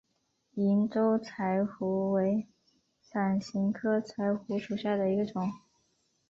银州柴胡为伞形科柴胡属下的一个种。